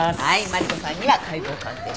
マリコさんには解剖鑑定書。